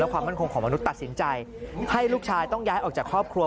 ความมั่นคงของมนุษย์ตัดสินใจให้ลูกชายต้องย้ายออกจากครอบครัว